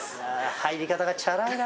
入り方がチャラいな。